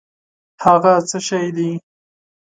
هٔغه څه شی دی؟